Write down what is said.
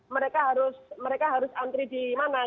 mereka harus antri di mana